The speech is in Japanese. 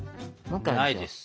ないです。